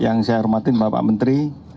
yang saya hormatin bapak menteri